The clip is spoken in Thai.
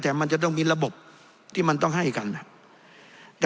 แต่มันจะต้องมีระบบที่มันต้องให้กัน